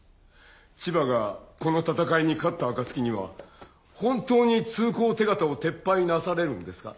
千葉がこの戦いに勝った暁には本当に通行手形を撤廃なされるんですか？